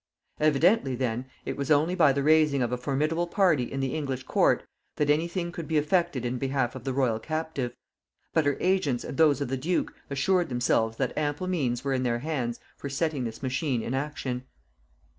Evidently then it was only by the raising of a formidable party in the English court that any thing could be effected in behalf of the royal captive; but her agents and those of the duke assured themselves that ample means were in their hands for setting this machine in action.